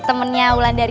temennya ulan dari